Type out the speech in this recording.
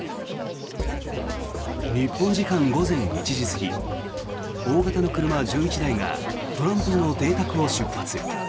日本時間午前１時過ぎ大型の車１１台がトランプ氏の邸宅を出発。